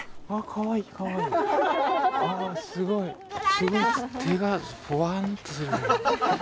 すごい手がホワンとするね。